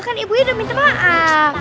kan ibunya udah minta maaf